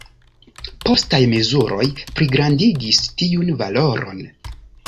Postaj mezuroj pligrandigis tiun valoron.